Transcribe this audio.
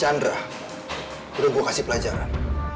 chandra boleh gue kasih pelajaran